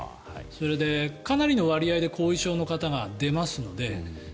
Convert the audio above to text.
それで、かなりの割合で後遺症の方が出ますので。